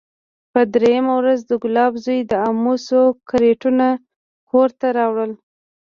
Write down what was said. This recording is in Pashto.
پر درېيمه ورځ د ګلاب زوى د امو څو کرېټونه کور ته راوړل.